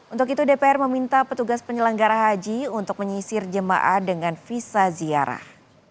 untuk itu dpr meminta petugas penyelenggara haji untuk menyisir jemaah dengan visa ziarah